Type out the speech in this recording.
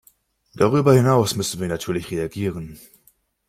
Darüber hinaus müssen wir natürlich reagieren.